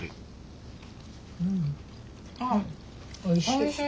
おいしい。